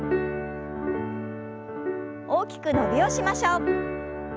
大きく伸びをしましょう。